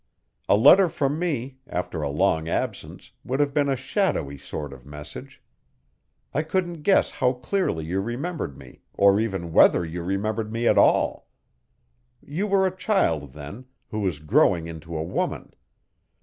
A letter from me, after a long absence would have been a shadowy sort of message. I couldn't guess how clearly you remembered me or even whether you remembered me at all. You were a child then, who was growing into a woman.